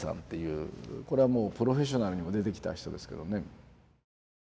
これはもう「プロフェッショナル」にも出てきた人ですけどね。